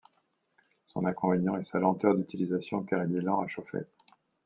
Son inconvénient est sa lenteur d'utilisation car il est lent à chauffer.